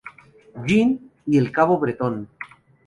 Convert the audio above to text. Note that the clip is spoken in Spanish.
Jean, y el cabo Bretón.